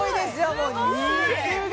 もう肉が！